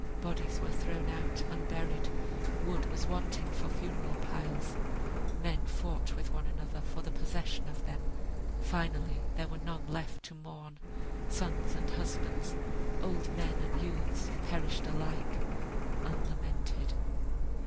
Bodies were thrown out unburied, wood was wanting for funeral piles, men fought with one another for the possession of them. Finally there were none left to mourn; sons and husbands, old men and youths, perished alike unlamented.